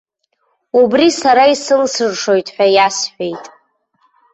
Убри сара исылсыршоит хәа иасҳәеит.